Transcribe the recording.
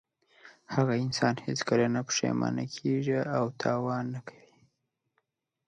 هغه انسان هېڅکله نه پښېمانه کیږي او تاوان نه کوي.